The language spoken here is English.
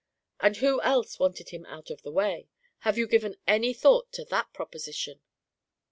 And who else wanted him out of the way? Have you given any thought to that proposition?"